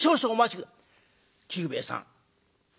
久兵衛さん